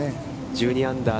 １２アンダー。